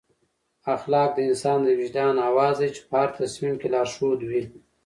اخلاق د انسان د وجدان اواز دی چې په هر تصمیم کې لارښود وي.